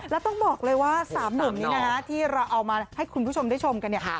แล้วต้องบอกเลยว่า๓หนุ่มนี้นะฮะที่เราเอามาให้คุณผู้ชมได้ชมกันเนี่ย